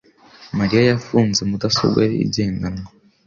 mariya yafunze mudasobwa ye igendanwa